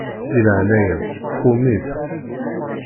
Di leɛnaya-m qwem-it.